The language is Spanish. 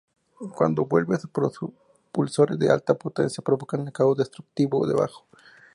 Cuando vuela, sus propulsores de alta potencia provocan un caos destructivo debajo.